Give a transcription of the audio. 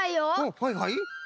はいはい。